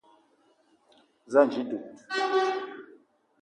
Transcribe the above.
Za ànji dud